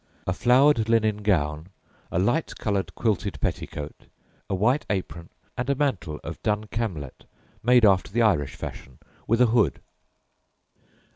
_ "a flowered linen gown, a light coloured quilted petticoat, a white apron, and a mantle of dun camlet, made after the Irish fashion, with a hood."